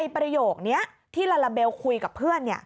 ประโยคนี้ที่ลาลาเบลคุยกับเพื่อน